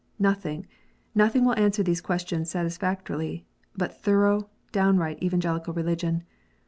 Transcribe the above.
Nothing, nothing will answer these questions satisfactorily, but thorough, downright Evan gelical Keligion.